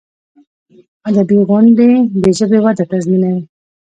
ادبي غونډي د ژبي وده تضمینوي.